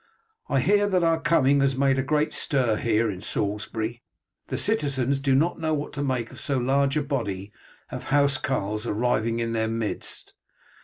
I hear that our coming has made a great stir here in Salisbury, the citizens do not know what to make of so large a body of housecarls arriving in their midst.